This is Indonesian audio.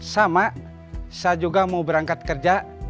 sama saya juga mau berangkat kerja